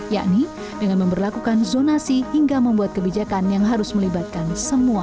yakni dengan memperlakukan zonasi hingga membuat kebijakan yang harus melibatkan semua